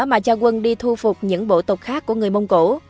mà cho quân đi thu phục những bộ tộc khác của người mông cổ